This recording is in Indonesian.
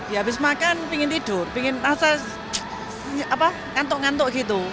ya habis makan pingin tidur pingin rasa kantuk kantuk gitu